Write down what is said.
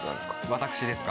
私ですか？